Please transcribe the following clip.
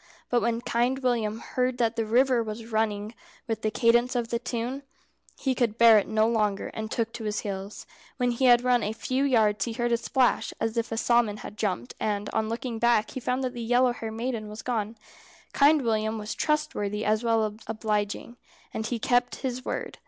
But when Kind William heard that the river was running with the cadence of the tune, he could bear it no longer, and took to his heels. When he had run a few yards he heard a splash, as if a salmon had jumped, and on looking back he found that the yellow haired maiden was gone. Kind William was trustworthy as well as obliging, and he kept his word.